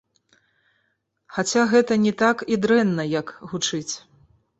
Хаця гэта не так і дрэнна, як гучыць.